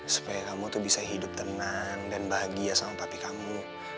supaya kamu tuh bisa hidup tenang dan bahagia sama pati kamu